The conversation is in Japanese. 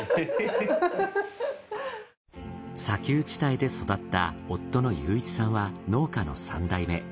砂丘地帯で育った夫の雄一さんは農家の３代目。